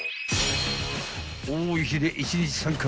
［多い日で１日３回